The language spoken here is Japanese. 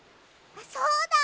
そうだ！